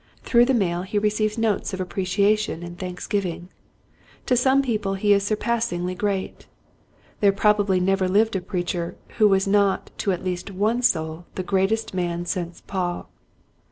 Through the mail he receives notes of appreciation and thanksgiving. To some people he is surpassingly great. There probably never lived a preacher who was not to at least one soul the greatest man since Paul.